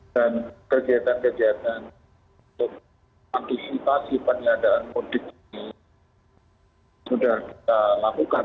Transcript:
dan kegiatan kegiatan untuk antisipasi penyedaran mudik ini sudah kita lakukan